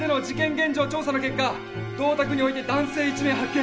現場調査の結果同宅において男性１名発見。